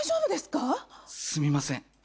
・すみません。